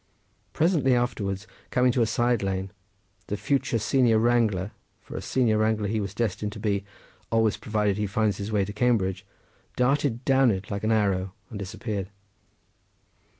Presently afterwards, coming to a side lane, the future senior wrangler—for a senior wrangler he is destined to be, always provided he finds his way to Cambridge—darted down it like an arrow, and disappeared.